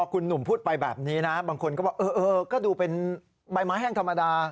คุณหนุ่มพูดไปแบบนี้นะบางคนก็บอกเออก็ดูเป็นใบไม้แห้งธรรมดา